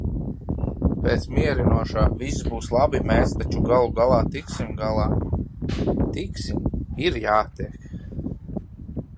Pēc mierinošā "viss būs labi, mēs taču galu galā tiksim galā". Tiksim. Ir jātiek.